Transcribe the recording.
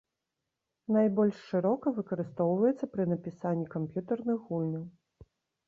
Найбольш шырока выкарыстоўваецца пры напісанні камп'ютарных гульняў.